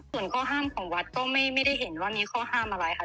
ส่วนข้อห้ามของวัดก็ไม่ได้เห็นว่ามีข้อห้ามอะไรค่ะ